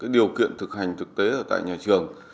điều kiện thực hành thực tế ở tại nhà trường